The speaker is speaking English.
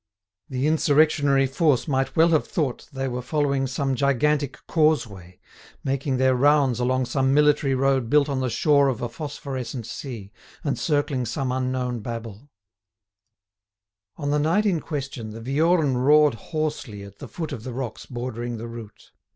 The insurrectionary force might well have thought they were following some gigantic causeway, making their rounds along some military road built on the shore of a phosphorescent sea, and circling some unknown Babel. On the night in question, the Viorne roared hoarsely at the foot of the rocks bordering the route.